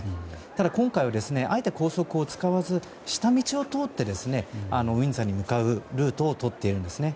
ただ今回は、あえて高速を使わず下道を通ってウィンザーに向かうルートをとっているんですね。